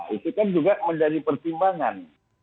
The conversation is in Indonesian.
itu kan juga menjadi pertimbangan